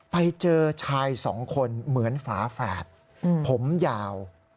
ไปเจอชายสองคนเหมือนฝาแฝดผมยาว